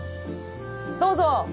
どうぞ。